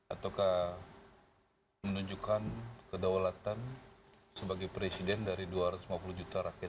ataukah menunjukkan kedaulatan sebagai presiden dari dua ratus lima puluh juta rakyat